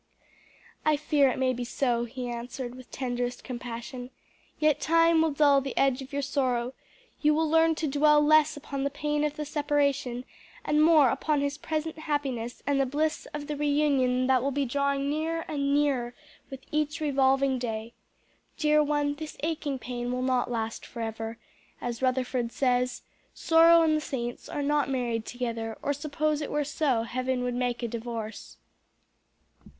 "I fear it may be so," he answered with tenderest compassion; "yet time will dull the edge of your sorrow; you will learn to dwell less upon the pain of the separation, and more upon his present happiness and the bliss of the reunion that will be drawing nearer and nearer with each revolving day. Dear one, this aching pain will not last forever; as Rutherford says, 'Sorrow and the saints are not married together; or suppose it were so, Heaven would make a divorce.'"